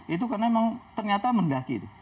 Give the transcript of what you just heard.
itu karena memang ternyata mendaki